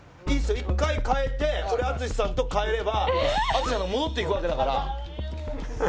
一回替えてこれ淳さんと替えれば淳さんの戻っていくわけだから。